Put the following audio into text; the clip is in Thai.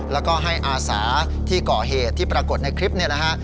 แล้วก็ให้อาสาที่ก่อเหตุที่ปรากฏในคลิปเนี่ยนะฮะ